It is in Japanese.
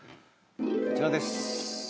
こちらです。